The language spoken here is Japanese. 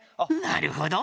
なるほど！